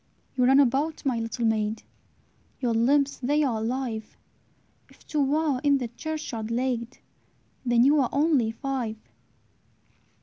"You run about, my little maid, Your limbs they are alive; If two are in the churchyard laid, Then ye are only five."